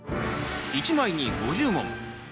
１枚に５０問。